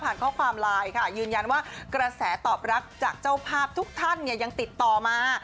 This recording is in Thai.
ข้อความไลน์ค่ะยืนยันว่ากระแสตอบรับจากเจ้าภาพทุกท่านเนี่ยยังติดต่อมา